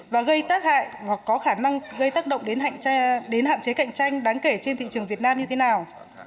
và có khả năng gây tác động đến hạn chế cạnh tranh đáng kể trên thị trường việt nam như thế nào